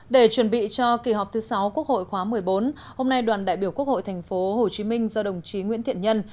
để chuẩn bị cho kỳ họp thứ sáu quốc hội khóa một mươi bốn hôm nay đoàn đại biểu quốc hội tp hcm do đồng chí nguyễn thiện nhân